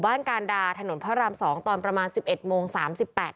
การดาถนนพระรามสองตอนประมาณสิบเอ็ดโมงสามสิบแปด